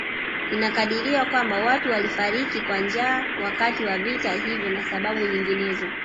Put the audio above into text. Inakadiriwa kwamba watu walifariki kwa njaa wakati wa vita hivyo na sababu nyinginezo